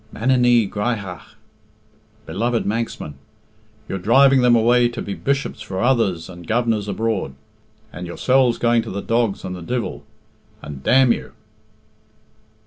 Manninee graihagh (beloved Manxmen), you're driving them away to be Bishops for others and Governors abroad and yourselves going to the dogs and the divil, and d you."